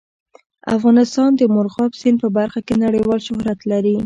افغانستان د مورغاب سیند په برخه کې نړیوال شهرت لري.